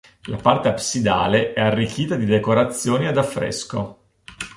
La parte absidale è arricchita di decorazioni ad affresco.